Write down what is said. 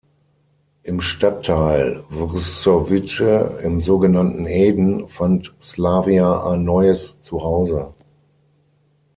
Im Stadtteil Vršovice, im so genannten Eden, fand Slavia ein neues Zuhause.